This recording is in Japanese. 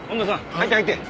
入って入って。